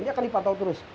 ini akan dipatau terus